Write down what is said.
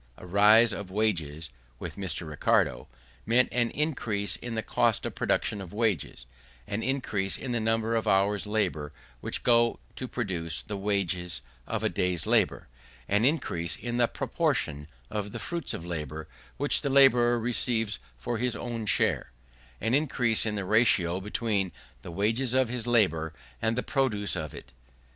A rise of wages, with Mr. Ricardo, meant an increase in the cost of production of wages; an increase in the number of hours' labour which go to produce the wages of a day's labour; an increase in the proportion of the fruits of labour which the labourer receives for his own share; an increase in the ratio between the wages of his labour and the produce of it.